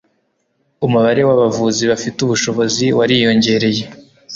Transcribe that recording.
umubare w'abavuzi bafite ubushobozi wariyongereye